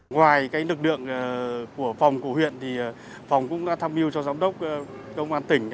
ngoài lực lượng của phòng của huyện phòng cũng đã tham mưu cho giám đốc công an tỉnh